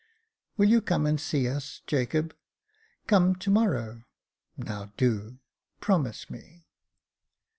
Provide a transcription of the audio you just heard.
" Will you come and see us, Jacob ? Come to morrow — now do — promise me.